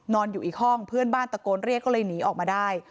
อยู่อีกห้องเพื่อนบ้านตะโกนเรียกก็เลยหนีออกมาได้